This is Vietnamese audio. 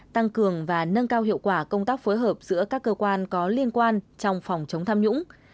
tăng cường và nâng cao hiệu quả công tác phối hợp giữa các cơ quan có liên quan trong phòng chống tham nhũng